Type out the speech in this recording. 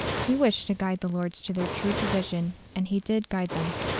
He wished to guide the Lords to their true position, and he did guide them.